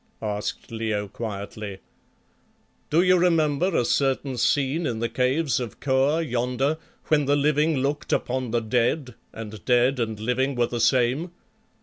asked Leo quietly. "Do you remember a certain scene in the Caves of Kôr yonder, when the living looked upon the dead, and dead and living were the same?